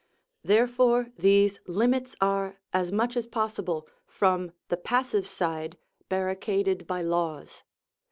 Therefore these limits are, as much as possible, from the passive side, barricaded by laws.